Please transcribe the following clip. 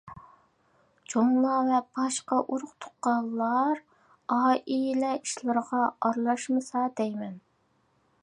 چوڭلار ۋە باشقا ئۇرۇق-تۇغقانلار ئائىلە ئىشلىرىغا ئارىلاشمىسا دەيمەن.